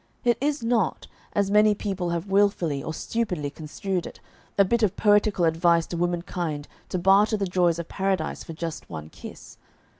It is not, as many people have wilfully or stupidly construed it, a bit of poetical advice to womankind to "barter the joys of Paradise" for "just one kiss."